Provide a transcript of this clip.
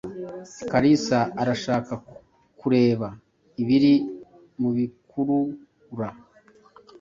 Kalisa arashaka kureba ibiri mubikurura.